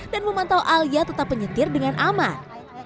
dan memantau alia tetap penyetir dengan aman